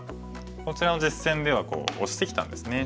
こちらの実戦ではオシてきたんですね。